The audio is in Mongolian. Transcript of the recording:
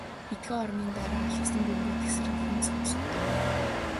Хэдэн хормын дараа алсхан бөмбөг тэсрэх сонсогдов.